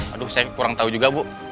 aduh saya kurang tahu juga bu